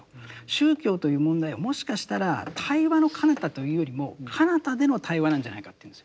宗教という問題はもしかしたら対話のかなたというよりもかなたでの対話なんじゃないかって言うんですよ。